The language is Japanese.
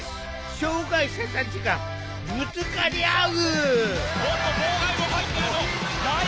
障害者たちがぶつかり合う！